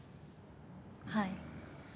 はい。